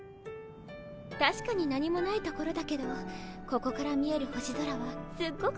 たしかに何もない所だけどここから見える星空はすっごくきれいなの。